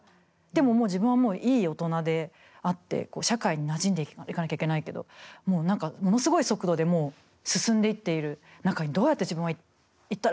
でも自分はもういい大人であって社会になじんでいかなきゃいけないけどもう何かものすごい速度で進んでいっている中にどうやって自分は行ったらいいんだろう？